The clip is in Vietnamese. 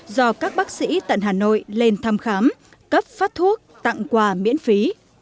do các bác sĩ tận hà nội lên thăm khám cấp phát thuốc tặng quà miễn phí